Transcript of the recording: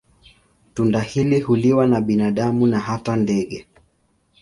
Tunda hili huliwa na binadamu na hata ndege.